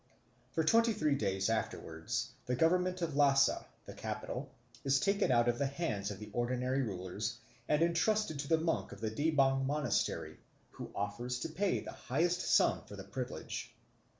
For twenty three days afterwards the government of Lhasa, the capital, is taken out of the hands of the ordinary rulers and entrusted to the monk of the Debang monastery who offers to pay the highest sum for the privilege.